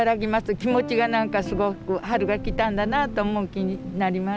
気持ちが何かすごく春が来たんだなと思う気になります。